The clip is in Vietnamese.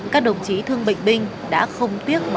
các đồng chí thương bệnh binh đã không tiếc bệnh bệnh